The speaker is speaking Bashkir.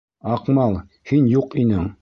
Аҡмал, һин юҡ инең.